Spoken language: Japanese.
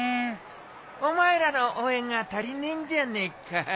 お前らの応援が足りねえんじゃねえか？